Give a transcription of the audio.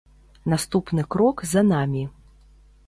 Наступны крок за намі.